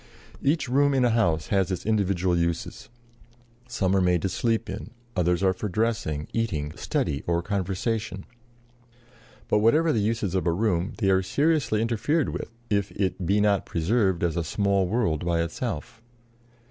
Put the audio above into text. Each room in a house has its individual uses: some are made to sleep in, others are for dressing, eating, study, or conversation; but whatever the uses of a room, they are seriously interfered with if it be not preserved as a small world by itself.